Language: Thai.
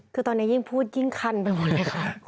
คือตอนนี้ยิ่งพูดยิ่งคันไปหมดเลยค่ะ